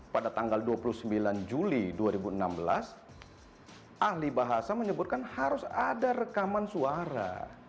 pada tanggal dua puluh sembilan juli dua ribu enam belas ahli bahasa menyebutkan harus ada rekaman suara